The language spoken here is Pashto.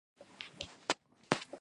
چینايي کلتور پر کار ټینګار کوي.